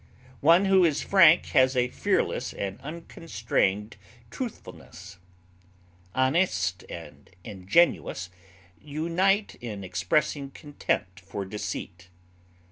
One who is frank has a fearless and unconstrained truthfulness. Honest and ingenuous unite in expressing contempt for deceit.